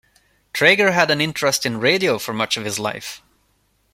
Traeger had an interest in radio for much of his life.